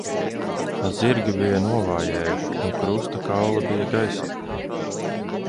Zirgi bija novājējuši un krusta kauli bija gaisā.